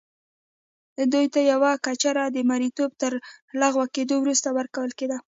دوی ته یوه کچره هم د مریتوب تر لغوه کېدو وروسته ورکول کېده.